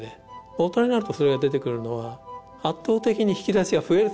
大人になるとそれが出てくるのは圧倒的に引き出しが増えすぎたんですよね。